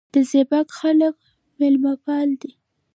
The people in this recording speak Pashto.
د زیباک خلک میلمه پال دي